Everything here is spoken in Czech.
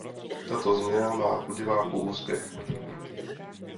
Tato změna má u diváků úspěch.